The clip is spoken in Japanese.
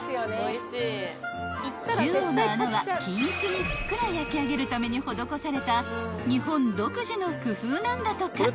［中央の穴は均一にふっくら焼き上げるために施された日本独自の工夫なんだとか］